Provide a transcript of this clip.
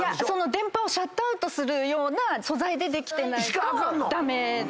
電波をシャットアウトするような素材でできてないと駄目です。